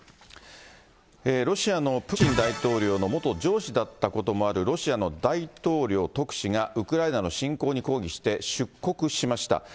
ロシアのプーチン大統領の元上司だったこともあるロシアの大統領特使が、ウクライナの侵攻に抗議して、出国しました。